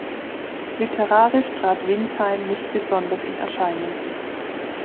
Literarisch trat Winsheim nicht besonders in Erscheinung.